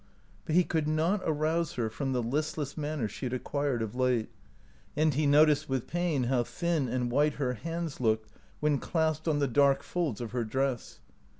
But he could not arouse her from the listless manner she had acquired of late, and he noticed with pain how thin and white her hands looked when clasped on the dark folds of her dress.